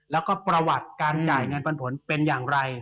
แล้วก็ประวัติการจ่ายเงินปันผลเป็นอย่างไร